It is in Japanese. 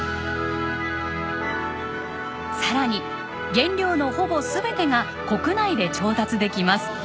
さらに原料のほぼ全てが国内で調達できます。